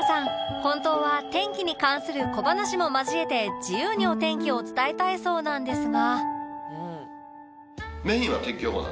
本当は天気に関する小話も交えて自由にお天気を伝えたいそうなんですが